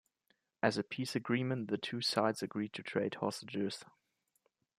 As a peace agreement, the two sides agreed to trade hostages.